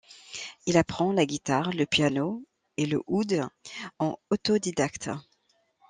Il apprend la guitare, le piano et le oud en autodidacte.